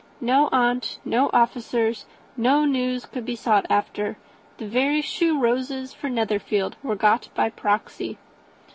No aunt, no officers, no news could be sought after; the very shoe roses for Netherfield were got by proxy.